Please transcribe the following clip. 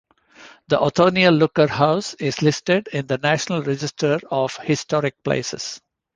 The Othniel Looker House is listed in the National Register of Historic Places.